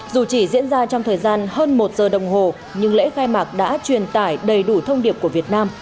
dù chỉ diễn ra trong thời gian hơn một giờ đồng hồ nhưng lễ khai mạc đã truyền tải đầy đủ thông điệp của việt nam